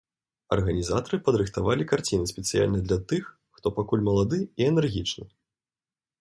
Арганізатары падрыхтавалі карціны спецыяльна для тых, хто пакуль малады і энергічны.